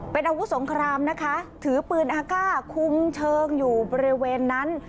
เป็นอาวุธสงครามนะคะถือปืนอากาศคุมเชิงอยู่บริเวณนั้น